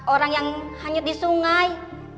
orang yang hanyut di sungai